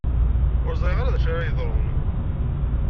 Ur ẓriɣ ara d acu ara yeḍrun.